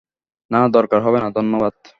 না, দরকার হবে না, ধন্যবাদ।